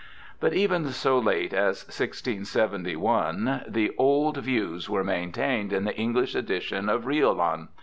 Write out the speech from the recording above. But even so late as 167 1 the old views were maintained in the English edition of Riolan.